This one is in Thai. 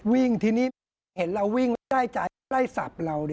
วิ่งทีนี้เห็นเราวิ่งแล้วว่าชายจ่ายไล่สับเรา